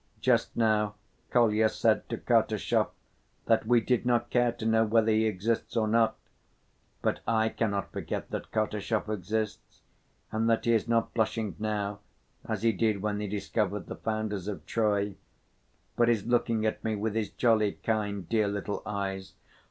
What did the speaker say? Just now Kolya said to Kartashov that we did not care to know whether he exists or not. But I cannot forget that Kartashov exists and that he is not blushing now as he did when he discovered the founders of Troy, but is looking at me with his jolly, kind, dear little eyes.